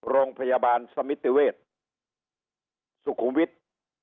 โรงพยาบาลสมิติเวชสุขุมวิทย์